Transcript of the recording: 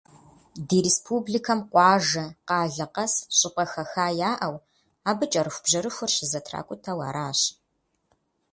Ди республикэм къуажэ, къалэ къэс щӏыпӏэ хэха яӏэу, абы кӏэрыхубжьэрыхур щызэтракӏутэу аращ.